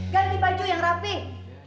ganti baju yang rapih